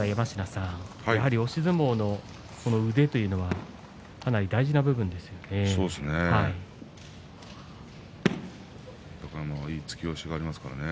押し相撲の腕というのはかなり大事な部分がありますね。